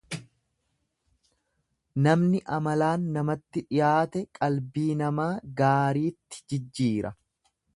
Namni amalaan namatti dhiyaate qalbii namaa gaariitti jijjiira.